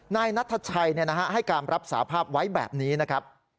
นายนัทชัยให้การรับสาภาพไว้แบบนี้นะครับ